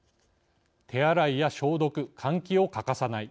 手洗いや消毒換気を欠かさない。